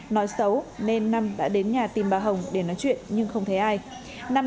nói xấu nên năm đã đến nhà tìm bà hồng để nói chuyện nhưng không thấy ai